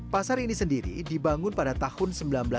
pasar ini sendiri dibangun pada tahun seribu sembilan ratus sembilan puluh